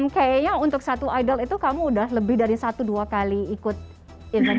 kayaknya untuk satu idol itu kamu udah lebih dari satu dua kali ikut event